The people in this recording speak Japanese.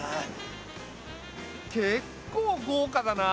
結構豪華だな！